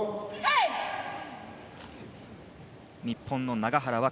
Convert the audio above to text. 日本の永原和